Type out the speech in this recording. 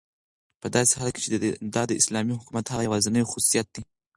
په داسي حال كې چې دا داسلامي حكومت هغه يوازينى خصوصيت دى